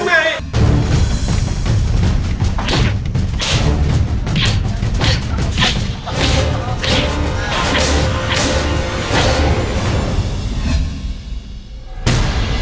ไปล้วน